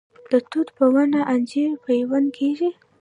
د توت په ونه انجیر پیوند کیږي؟